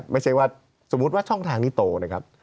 ไม่ใช่ว่าสมมุติว่าช่องทางนี้โตนะครับ